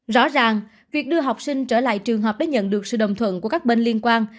rõ ràng việc đưa học sinh trở lại trường học đã nhận được sự đồng thuận của các bên liên quan